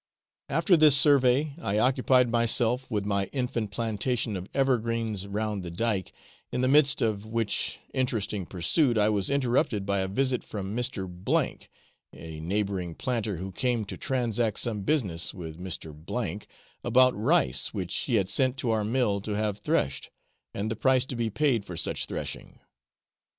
After this survey, I occupied myself with my infant plantation of evergreens round the dyke, in the midst of which interesting pursuit I was interrupted by a visit from Mr. B , a neighbouring planter, who came to transact some business with Mr. about rice which he had sent to our mill to have threshed, and the price to be paid for such threshing.